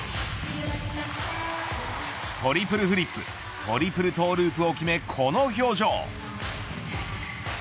トリプルフリップトリプルトゥループを決めこの表情。